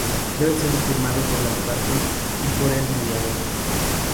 Debe ser firmado por las partes y por el mediador.